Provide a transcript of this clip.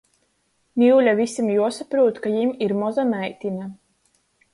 Niule vysim juosaprūt, ka jim ir moza meitine!